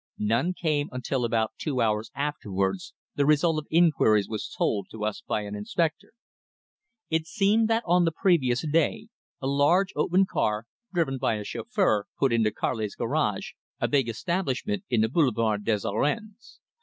None came until about two hours afterwards the result of inquiries was told to us by an inspector. It seemed that on the previous day a large open car, driven by a chauffeur, put into Carli's Garage, a big establishment in the Boulevard des Arènes.